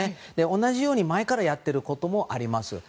同じように前からやっていることもあります。